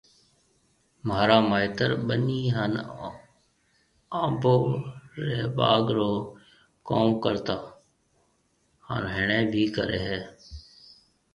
مهارآ مائيتر ٻنِي هانَ انڀو ري باگ رو ڪم ڪرتا هانَ هڻي بهيَ ڪري هيَ۔